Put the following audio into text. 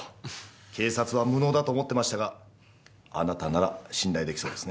警察は無能だと思ってましたがあなたなら信頼できそうですね。